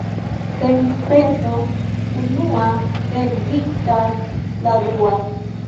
Sen speso unua ne ekzistas la dua.